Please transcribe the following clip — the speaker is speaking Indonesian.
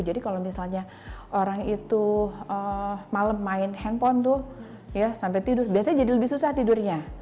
jadi kalau misalnya orang itu malam main handphone sampai tidur biasanya jadi lebih susah tidurnya